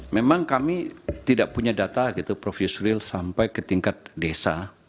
memang kami tidak punya data gitu prof yusril sampai ke tingkat desa